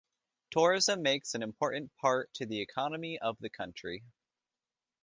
Tourism makes an important part to the economy of the country.